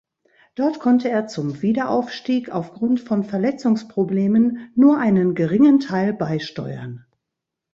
Dort konnte er zum Wiederaufstieg aufgrund von Verletzungsproblemen nur einen geringen Teil beisteuern.